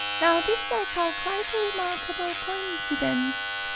"Now this I call quite a remarkable coincidence!"